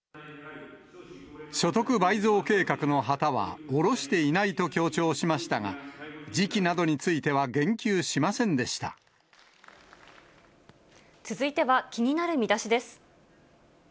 所得倍増計画の旗は、おろしていないと強調しましたが、時期などについては言及しません続いては、気になるミダシです。